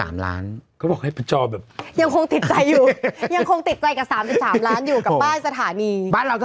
ไม่เป็นสัญลักษณ์แล้ว